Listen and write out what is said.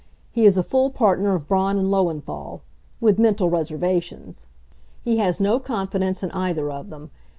He is a full partner of Braun and Lowenthal with mental reservations. He has no confidence in either of them.